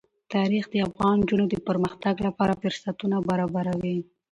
تاریخ د افغان نجونو د پرمختګ لپاره فرصتونه برابروي.